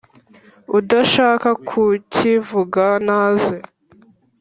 udashaka kukivuga naze